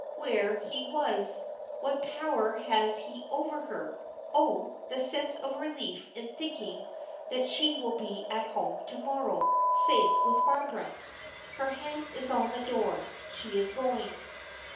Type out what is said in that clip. Where he was. What power has he over her? Oh! the sense of relief in thinking that she will be at home to morrow safe with Barbara. Her hand is on the door. She is going.